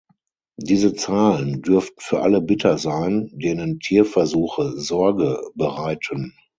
Diese Zahlen dürften für alle bitter sein, denen Tierversuche Sorge bereiten.